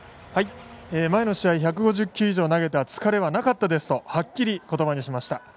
前の試合１５０球以上投げた疲れはなかったですと、はっきりことばにしました。